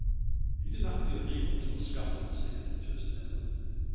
He did not feel equal to a scuffle with Sandy, just then.